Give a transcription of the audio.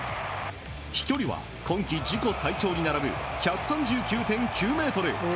飛距離は今季自己最長に並ぶ１３９．９ｍ。